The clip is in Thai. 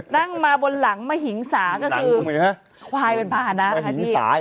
นั่งมาบนหลังมหิงสาก็คือควายเป็นภาษณะนะคะพี่